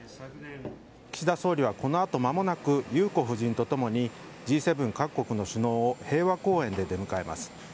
岸田総理はこのあとまもなく裕子夫人と共にＧ７各国の首脳を平和公園で出迎えます。